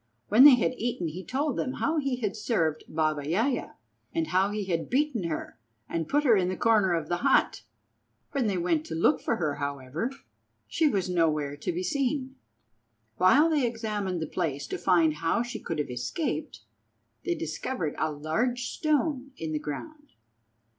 When they had eaten he told them how he had served Baba Yaja, and how he had beaten her and put her in the corner of the hut. When they went to look for her, however, she was nowhere to be seen. While they examined the place to find how she could have escaped, they discovered a large stone in the ground.